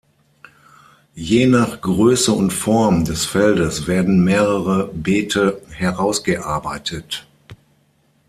Je nach Größe und Form des Feldes werden mehrere Beete herausgearbeitet.